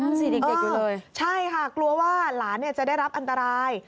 สิเด็กอยู่เลยใช่ค่ะกลัวว่าหลานเนี่ยจะได้รับอันตราย